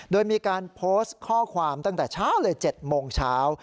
โดยมีการโพสต์ข้อความตั้งแต่เช้าเลย๗โมงเช้า